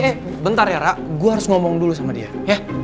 eh eh bentar yara gue harus ngomong dulu sama dia ya